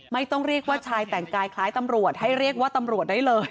เรียกว่าชายแต่งกายคล้ายตำรวจให้เรียกว่าตำรวจได้เลย